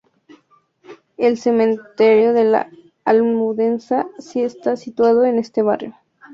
El cementerio de la Almudena sí está situado en este barrio.